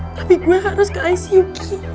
tapi gue harus ke icu